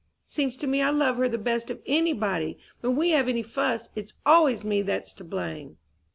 Seems to me I love her the best of any body. When we have any fuss, it's always me that's to blame."